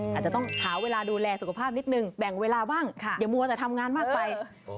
อาจจะต้องหาเวลาดูแลสุขภาพนิดนึงแบ่งเวลาบ้างอย่ามัวแต่ทำงานมากไป